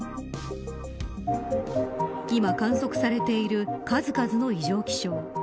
今、観測されている数々の異常気象。